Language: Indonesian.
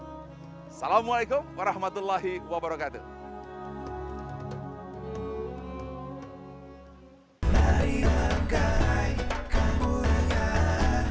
assalamu'alaikum warahmatullahi wabarakatuh